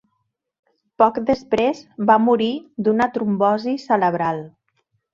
Poc després va morir d'una trombosi cerebral.